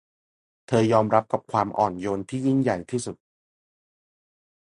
เธอยอมรับกับความอ่อนโยนที่ยิ่งใหญ่ที่สุด